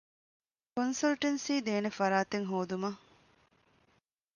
ކޮންސަލްޓެންސީދޭނެ ފަރާތެއް ހޯދުމަށް